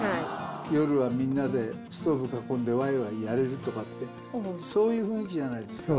夜はみんなでストーブ囲んでわいわいやれるとかってそういう雰囲気じゃないですか。